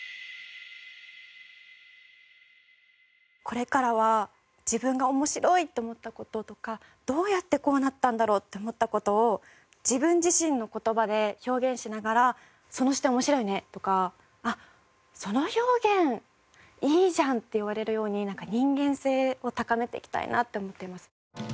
これからは自分が面白いって思った事とかどうやってこうなったんだろう？って思った事を自分自身の言葉で表現しながら「その視点面白いね」とか「あっその表現いいじゃん」って言われるようになんか人間性を高めていきたいなって思っています。